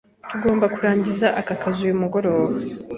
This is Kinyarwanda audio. Tugomba kurangiza aka kazi uyu mugoroba.